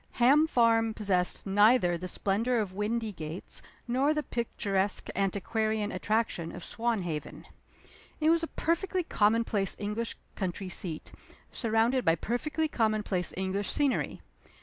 Ham Farm possessed neither the splendor of Windygates nor the picturesque antiquarian attraction of Swanhaven. It was a perfectly commonplace English country seat, surrounded by perfectly commonplace English scenery.